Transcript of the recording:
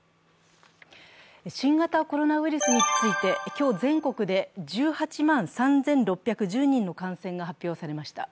新型コロナウイルスについて、今日全国で１８万３６１０人の感染が発表されました。